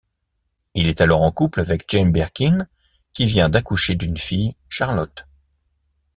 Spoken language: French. Il est alors en couple avec Jane Birkin, qui vient d'accoucher d'une fille, Charlotte.